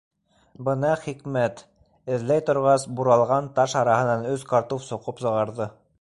Бына хикмәт: эҙләй торғас, буралған таш араһынан өс картуф соҡоп сығарҙы!